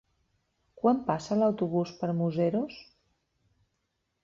Quan passa l'autobús per Museros?